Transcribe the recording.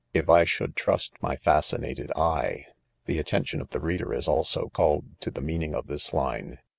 If I should trust my fascinated hjc, — the attention of the reader is also called to the meaning of this line.